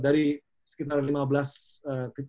dari sekitar lima bulan